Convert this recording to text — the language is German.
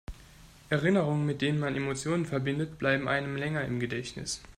Erinnerungen, mit denen man Emotionen verbindet, bleiben einem länger im Gedächtnis.